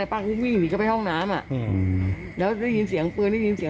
ผมก็เป็นโดรนอย่างนี้